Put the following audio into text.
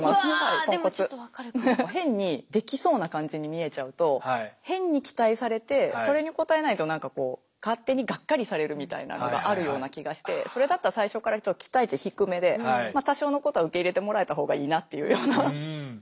変にできそうな感じに見えちゃうと変に期待されてそれに応えないと何か勝手にがっかりされるみたいなのがあるような気がしてそれだったら最初から期待値低めで多少のことは受け入れてもらえた方がいいなっていうような。